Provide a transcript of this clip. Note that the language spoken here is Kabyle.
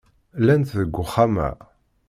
Llant deg uxxam-a.